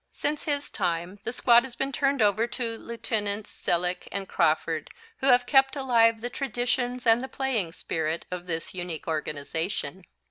Since his time the squad has been turned over to Lieutenants Sellack and Crawford, who have kept alive the traditions and the playing spirit of this unique organization.